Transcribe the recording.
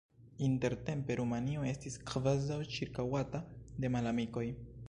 Intertempe Rumanio estis kvazaŭ ĉirkaŭata de malamikoj.